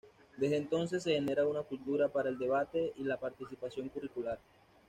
Desde entonces se genera una cultura para el debate y la participación curricular.